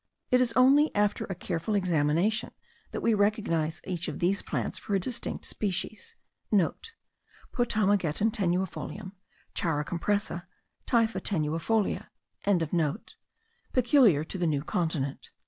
It is only after a careful examination, that we recognise each of these plants for distinct species,* (* Potamogeton tenuifolium, Chara compressa, Typha tenuifolia.) peculiar to the new continent.